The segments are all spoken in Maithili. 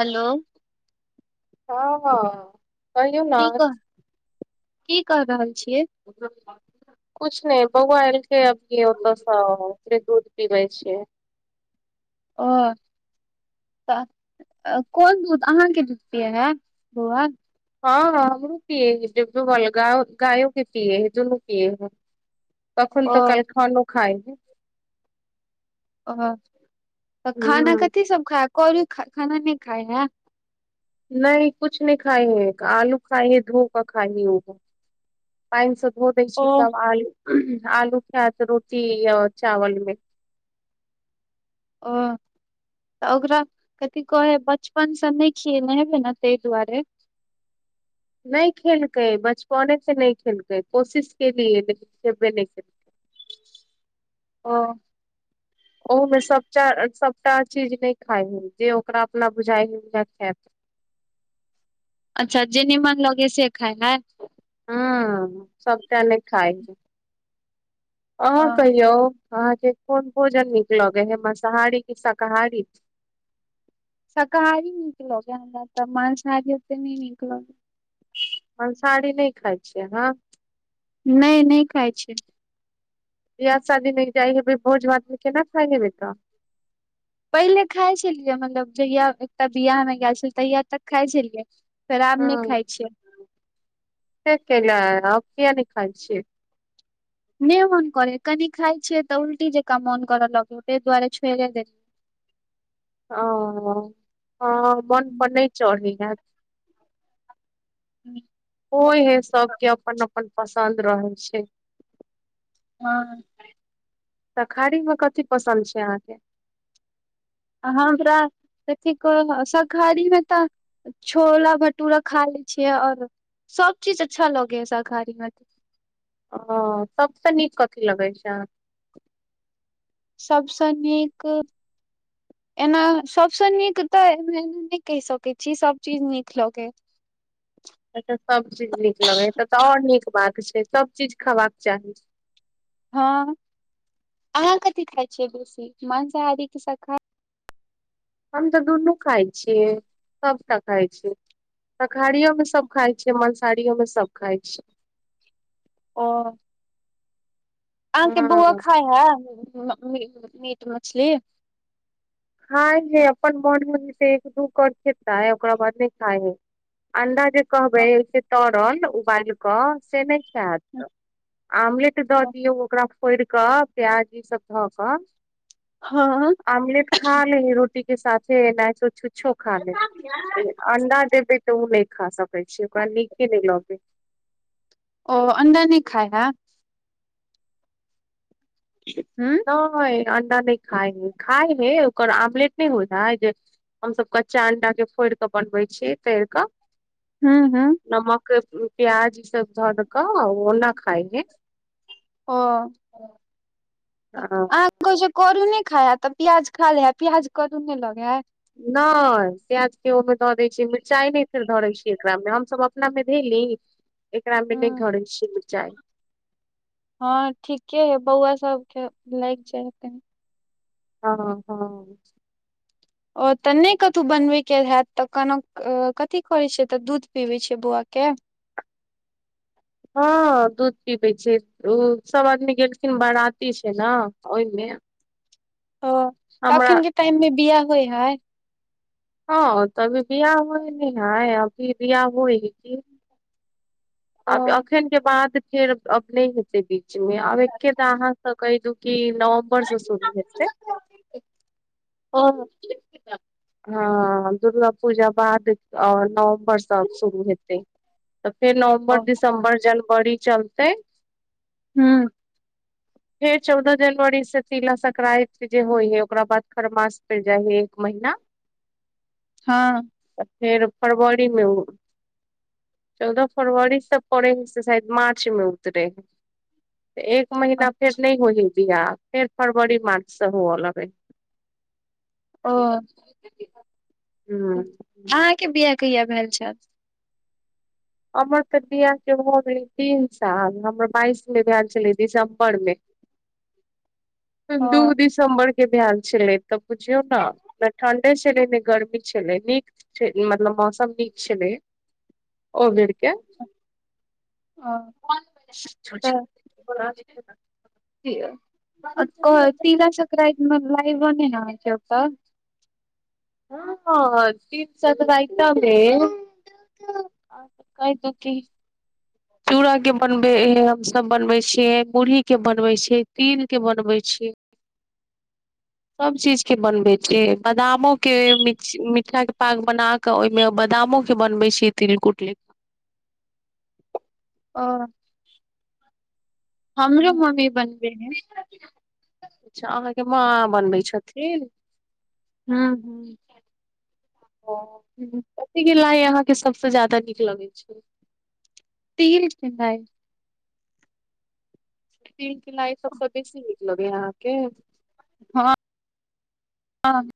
हेलो हँ हँ कहियौ ने की कह की कह रहल छियै कुछ ने बौआ एलकै अभी ओतसँ ओकरे दूध पीबै छियै ओ तऽ कोन दूध अहाँके दूध पियै है बोआ हँ हँ हमरो पियए है जो ग गायों के पियए है दुोनू पियए हैं [unintelligible] तखन ओ तऽ काइल खानो खाइ है ओ त खाना हूँ कथि सब खा करूखाना नहि खाय है नहि कुछ नहि खाइ है आलू खाइ ह धो क खाइ है ओ पाइन से धो दै ओ छी तब आलू आलूखैत रोटी य चावल मे ओ तऽ ओकरा कथि कहै ह बचपन से नहि खियएल हेबै ने तै दुआरे नहि खेलकेै बचपने से नहि खेलकेै कोशिश के लियै लेकिन केसे नहि केल ओ ओहोमे सबटा सबटा चीज नहि खाय है जे ओकरा अपना बुझाइ हैउहै खायत अच्छा जे निमन लगै हैसे खाइल है हँ सबटा नै खाइ है अहाँ ओ कहियौ अहाँके कोन भोजन नीक लगे हय माँसाहारी की शाकाहारी शाकाहारी निकलोगे हे हमरा तऽ मांसाहारी ओते नै नीक लगे हे माँसहारी साड़ी नहि खाय छि आहाँ नै नहि खाय छियै बियाह शादी मे जाइ हेबै भोज भातमे केना खाइ हेबै तऽ पहिले खाय छलियै मतलब जहिया एकटा बिया मे गेएल छलियै तहिया तक खाइ छलियै फेर आब नहि हँ खाय छियै से केला किया नहि खाइ छियै नहि मन करे है कनी खाय छियै तऽ उल्टी जकाँ मोन करऽ लग तै दुआरे छोड़े देलि ओ मन पर नहि चढ़े हैत [unintelligible] होइ हे सबके अपन अपन पसन्द रहै छैय हँ शाकाहारी मे कथी पसन्द छै अहाँके हमरा कथी कहु शाकहारीमे तऽ छोला भटूरा खा ले छियै आओर सब चीज अच्छा लगे हय शाकाहारी मे ओ सबसँ नीक कथि लगै छै सबसँ नीक एना सबसँ नीक तऽ एमे एना नहि कहि सकैत छी सब चीज नीक लगे अछा सब चीज नीक लगे तऽ आऔर नीक बात छै सब चीज खेबाके चाही हँ अहाँ कथि खाय छियै बेसी मांसाहारी की शाकाहा हम तऽ दुनू खाय छियै सबटा खाय छियै शाकहारियोमे सब खाइ छियै मंसाहारियोमे सब खाय छियै ओ आहके के बौआ हँ खाय हे मीट मछली खाय है अपन मन मे जे एक दू कऽर खेतए ओकरा बाद नहि खाय है अंडा जे कहबै से तरल उबाल कऽ से नहि आमलेट दऽ दियऔ ओकरा फोड़ कऽ प्याज ई सब ध कऽ हँ आमलेट खा लै है रोटी के साथे एनाहितो छुछ छो खा लै अंडा देबे तऽ ओ नहि खा सकैत छै ओकरा नीके नहि लगै है ओ अंडा नहि खाइ हे [unintelligible] उंम्म नहि अंडा नहि खाए है खाए है ओकर आमलेट नहि होइ है जे हम सब कच्चा अंडा के फोड़ के बनबे छीयै तैर कऽ हूंम्म हूंम्म नमक प्याज ई सब धर कऽ ओना खाइ हे ओ आ अहाँ कहै छै करू ने खाइ है तऽ प्याज खा ले है प्याज करु ने लगे है नहि प्याज के ओहिमे धऽ दै छियै मिरचाइ नहि फेर धरै छीयै एकरा मे हमसभ अपना मे धेली एकरा मे हूँ नहि घरे छियै मिरचाइ हँ ठीके है बौआ सबके लैग जाय ह कनी हँ हँ ओ तऽ नहि कतहु बनबै के हत तऽ कन कथी करैत छियै तऽ दूध पीबै छियै बौआ के हँ दूध पिबै छै ओ सब आदमी गेलखिन बाराती छै ने ओहिमे ओ हमरा अखन के टाइम मे बिआह होय हइ हँ तभी बिआह हो न हय अभी बिआ होय की आब हुं एखन के बाद फेर अब नहि हेते बीच मे आब एके तऽ अहाँ से कहि दू क नवम्बर से शुरू हेतै ह [unintelligible] हँ दुर्गा पूजा बाद नवम्बरसँ शुरू हेतै तऽ फेर नवम्बर दिसम्बर जनवरी चलतै हूंम्म फेर चौदह जनवरी से तिला सक्रान्ति जे होइ है ओकरा बाद खरमास पड़ि जाइ है एक महिीना हँ तऽ फेर फरवरीमे ओ चौदह फरवरी से पड़े हय से शायद मार्च मे उतरे हय एक महिना फेर नहि हो ह दिया फेर फरवरी मार्चसँ हुअ लगै ओ ह अहाँके बिआ कहिय भेल छल हमर के बिआाह के भ गेले तीन साल हमर बाइस मे भेल छले दिसम्बर मे [inaudible] दू दिस दसम्बर के भान छलै तऽ बुझियौ ने ने ठण्डे छलै ने गर्मी छलै नीक मतलब मौसम नीक छलै ओ बेरके ओ तीला सक्रान्ति लाइ बनना हो छै ओत हँ तीला सक्रान्ति आ त कत की [inaudible] चूड़ा के बनबे हमस बनबे छियै मुरही के बनबै छियै तिल के बनबै छियै [inaudible] सभ चीज के बनबैत छै बादामो के मिठा के पाग बना क ओहिमे बादामो के बनबे छीयै तिलकुटले ओ हमरो मम्मी बनबे है अच्छा अहाँके माँ बनबै छथिन हूंम्म हूंम्म ओ हूँ कथी के लाइ अहाँके सबस ज्यादा नीक लगैत छै तील के लाइ तील लाइ सभसँ बेसी नीक लगैया अहाँके हँ [unintelligible]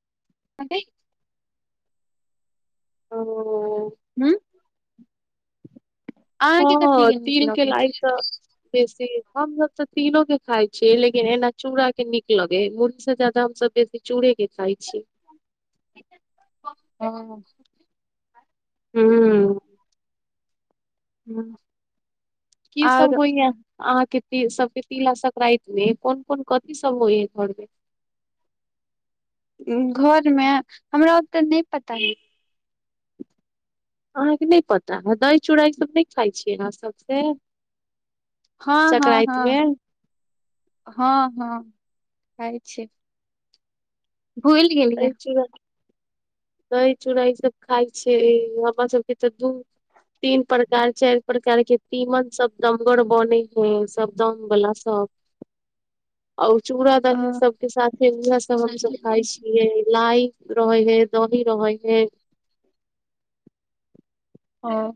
हँ ओ हूँ अहाँके कथी हँ के नीक तीलके लगै लाइ तऽ बेसी हमस तऽ तीलोक के खाय छीयै लेकिन एना चूड़ा के नीक लगे मुर्ग से जदा हमस बेसी चूड़े के खाइ छीयै हँ हूंम्म हूँ [inaudible] की सब होइया अहाँके सबके तिला संक्राति मे कोन कोन कथि सब होइयै घर मे घर मे हमरा ओते नहि पता हय अहाँके नहि पता है दही चूड़ा ई सभ नहि खाइ छियै अहाँ सभ से हँ हँ संक्रान्ति हँ मे हँ हँ खाइ छियै भुलि दही चूड़ा [unintelligible] दही चूड़ा ई सब खाइ छै हमर सबके तऽ दूध तीन प्रकार चाइर प्रकार के तीमन सब दमगर बने है सब दम वला सब [inaudible] और चूड़ा ओ दही सबके साथे उहे सब हमसब खाय छियै लाइ रहै है दही रहै है हँ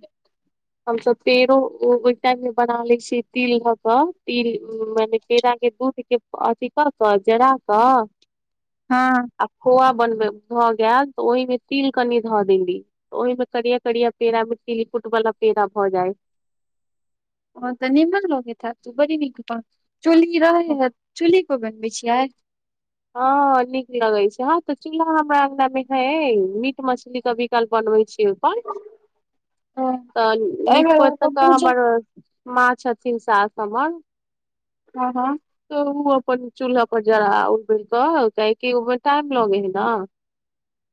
हमसब पेड़ो ओहि टाइम मे बना लै छीयै तिल धऽ कऽ तिल मने पेड़ा के दूध के अथी कऽ कऽ जरा कऽ हँ आ खोआ बनबै भऽ गेल तऽ ओहिमे तिल कनि धऽ देली तऽ ओहिमे करिया करिया पेड़ा मे तिलकुट बला पेड़ा भऽ जाइ हँ तऽ निमन लगैत हैत तबड़ी नीक चुल्ही रहै हैत चुल्ही पर बनबै छियै हँ नीक लगै छै हँ तऽ चूल्हा हमरा अंगना मे है मीट मछली कभी काल बनबै छियै ओहिपर [inaudible] तहन तऽ नीक एहिमे पोति ओकर कऽ पूजा हमर माँ छथिन सास हमर हँ हँ तऽ उ अपन चूल्हा पर जराउ [unintelligible] काहेकि ओ मे टाइम लगै है ने तऽ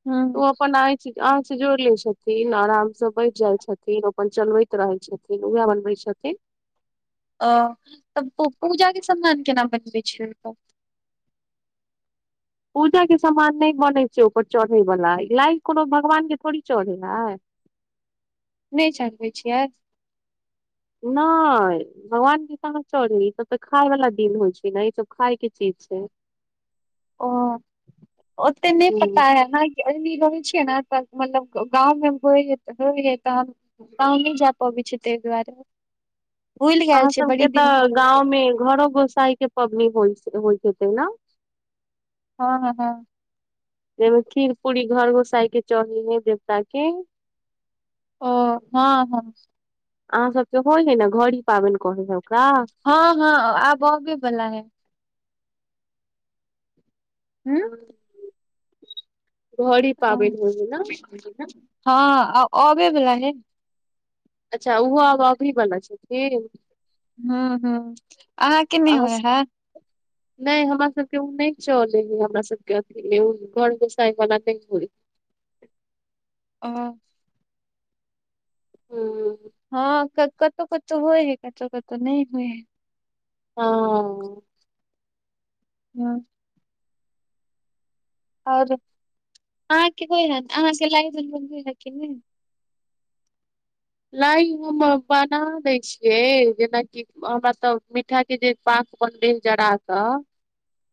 हूँ उ अपन आ [unintelligible] आँच जोड़ि लै छथिन आरामसँ बैठ जाइ छथिन ओ अपन चलबैत रहै छथिन उएह बनबै छथिन ओ तब पूजा के समान केना बनबै छियै ओतऽ पूजा के समान नहि बनै छै ऊपर चढ़ै वाला लाइ कोनो भगवान के थोड़ी चढ़ै है नहि चढ़बै छीयै नहि भगवान जी कहाँ चढ़ी ई सब तऽ खाय वला दिन होइ छै ने ई सब खाय के चीज छै ओ ओते नहि ह पता है नै एनी रहै छियै ने तऽ मतलब गाँवमे मे हो होइ जे तहन [unintelligible] पाउ नहि जा पबै छै तै दुआरे भूलि गेल अहाँ छै बड़ी सबके दिन तऽ भऽ गेल गाँव मे घरो गोसाई के पबनी होइ होइत हेतै ने हँ हँ जैइमे खीर पूरी घर गोसाई के चढ़ै है देवता के ओ हँ हँ अहाँ सबके होइ है न घड़ी पाबैन कहै है ओकरा हँ हँ आब अबे बला है उंम्म घड़ी पाबैन होइ है ने छै [unintelligible] हँ आ अबे बला है अच्छा उहो आब अबहि बला छथिन ह्म ह्म आहाँके नै अहाँ होइ है नहि हमरा सबके ओ नहि चलै है हमरा सबके अखनी घर गोसाईं वला नहि होय ओ हूँ हँ कतौ कतौ होइ यै कतौ कतौ नहि होइ यै हँ ह और अहाँके को अहाँके ल [unintelligible] लाइ हम बना दै छियै जेनाकि हमरा तऽ मि ठा के जे पाक बनब जरा क [unintelligible] [inaudible]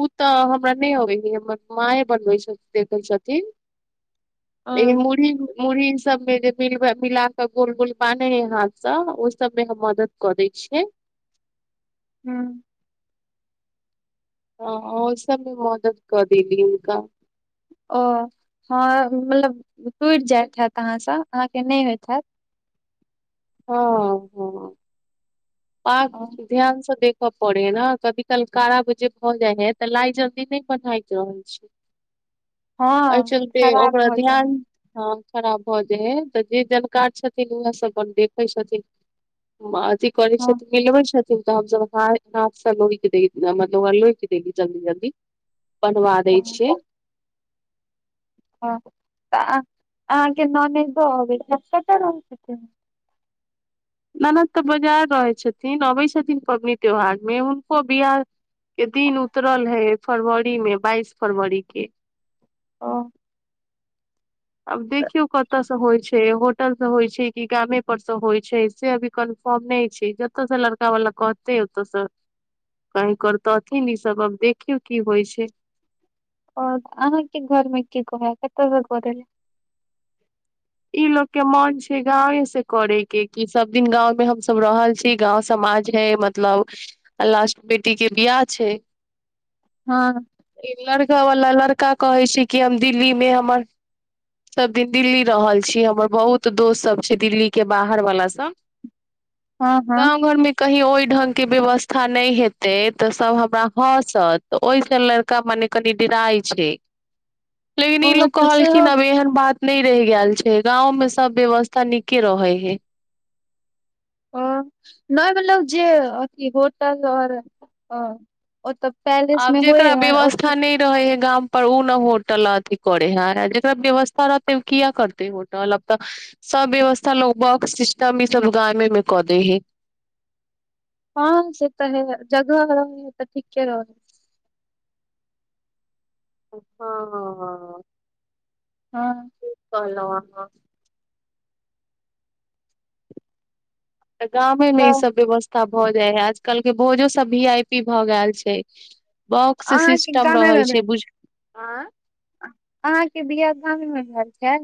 उ तऽ हमरा नय अबै है हमर माए बनबै देखै छथिन ओ लेकिन मुरही मुरही सबमे जे मिल वै मिलााक गोल गोल बाने हे हाथ से ओहि सब में हम मदद क ऽ दै छिय हूँ हॅं ओ सबमे मदद कऽ देली हुनका ओ हँ मतलब टुइट जाइत हैत अहाँसँ अहाँके नै होइत हैत हँ हँ पाक ध्यानसँ देख पड़े न कभी कल कारा जे भऽ जाय है तऽ लाय जल्दी नहि बनाइत नही रहे छै [inaudible] एह हँ चलते खराब ओकरा भऽ ध्यान जाय आँख खराब भऽ जाय है तऽ जे जानकार छथिन उएह सब अपन देख कै छथि माँ जी करै हँ छथि मिलेबै छथि से तऽ हमसम हाफसँ लोहि के मतलब लोहि के देलील जल्दी बनवा दै छियै ह तऽ अहाँके ननेदो अबै कत रहे छथिन ननद तऽ बजार रहै छथिन अबै छथिन पबनि त्योहार मे हुनको बियाह के दिन उतरल हय फरवरी मे बाइस फरवरी के ओ अब देखियौ कतऽ स होइ छै होटल स होइ छै कि गामे पर से होइ छै से अभी कन्फर्म नहि छै जतय से लड़ का वला कहते ओतऽ स की करतथिन ई सब अब देखियौ की होइ छै ओऽ अहाँके घरमे की कहय कतऽ सॅं करै के। ई लोको के मन छै गांवे से करे के कि सब दिन गाँंव मे हम सब रहल छी गाँंव समाज है मत मतलब लास्ट बेटी के बियाह छै हँ लड़का वला लड़का कहे छै कि हम दिल्ली मे हमर सब दिन दिल्ली रहल छी हमर बहुत दोस्त सब छै दिल्ली के बाहर वाला सब हँ हँ गाव घर मे कही ओहि ढंग के व्यवस्था नहि हेतै तऽ सब हमरा हँसत ओहिसँ ले का मने कनिडराइ छै लेकिन ओ ई लोग तऽ सेहो कहलखिन अब एहन बात नहि रहि गेल छै गाँंव में सब व्यवस्था नीके रहय ह्य ओ नय मतलब जे अथी होटल ओर और ओ तऽ पैलेस आब मे होइ जेकरा ह्य व्यवस्था नहि रहे है गाम पर उऽ ने होटल अथी करे है जकरा व्यवस्था रहतै किया करतै होटल अब तऽ सब व्यवस्था लोग ब सिस्टम ई सब गामे मे कऽ देै हे हँ से तऽ है जगह रह तऽ ठीके रह हँ हँ ठिक कहलू अहाँ तऽ गामे मे ई तऽ सब व्यवस्था भऽ जाय है आजकल के भोजो सब भी आई पी भऽ ग गैल छै बॉक्स अहाँके सिस्टम गामे मे रहै छै बुझ आँ अहाँ के बियाह गाम मे भेल छै